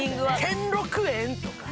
兼六園とか。